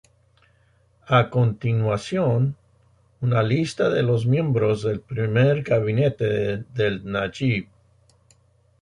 A continuación, una lista de los miembros del primer gabinete de Najib.